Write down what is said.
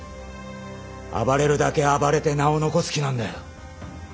暴れるだけ暴れて名を残す気なんだよ。